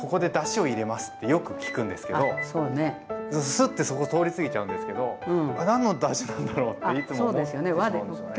すってそこ通り過ぎちゃうんですけど何のだしなんだろうっていつも思ってしまうんですよね。